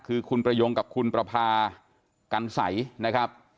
คือคุณประยงกับคุณประพากันใสนะครับ